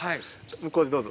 向こうでどうぞ。